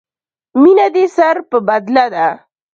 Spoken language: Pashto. مینه دې سر په بدله ده.